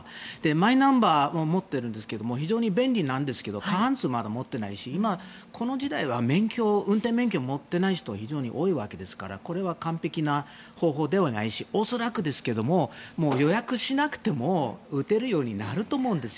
マイナンバー持っているんですけど非常に便利なんですが過半数はまだ持っていないしこの時代は運転免許を持っていない人も非常に多いわけですからこれは完璧な方法ではないし恐らくですが予約しなくても打てるようになると思うんですよ。